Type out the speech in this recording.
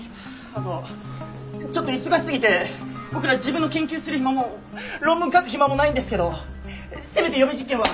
あのちょっと忙しすぎて僕ら自分の研究する暇も論文書く暇もないんですけどせめて予備実験は。